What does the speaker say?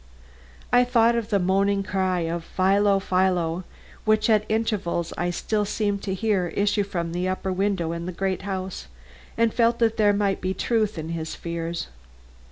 I thought of the moaning cry of "Philo! Philo!" which at intervals I still seemed to hear issue from that upper window in the great house, and felt that there might be truth in his fears.